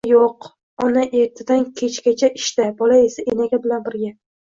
ota yo‘q, ona ertadan kechgacha ishda, bola esa enaga bilan birga.